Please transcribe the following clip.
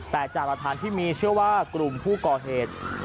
แต่จากหลักฐานที่มีเชื่อว่ากลุ่มผู้ก่อเหตุ